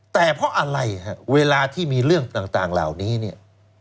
แต่เพราะอะไรฮะเวลาที่มีเรื่องต่างเหล่านี้เนี่ย